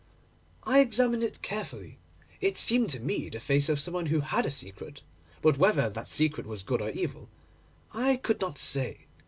I examined it carefully. It seemed to me the face of some one who had a secret, but whether that secret was good or evil I could not say.